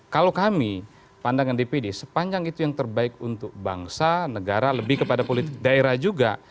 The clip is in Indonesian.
kalau kami pandangan dpd sepanjang itu yang terbaik untuk bangsa negara lebih kepada politik daerah juga